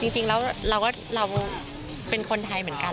จริงแล้วเราเป็นคนไทยเหมือนกัน